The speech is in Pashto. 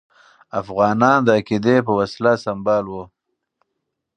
افغانان د عقیدې په وسله سمبال وو.